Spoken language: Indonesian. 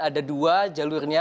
ada dua jalurnya